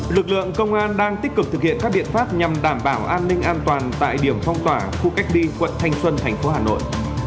lực lượng công an đang tích cực thực hiện các biện pháp nhằm đảm bảo an ninh an toàn tại điểm phong tỏa khu cách ly quận thanh xuân thành phố hà nội